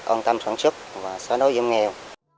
ổn tâm sản xuất và xóa nối giống nghèo